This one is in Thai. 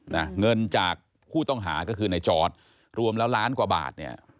เงินจากผู้ต้องหาก็คือในจอดรวมล้านกว่าบาท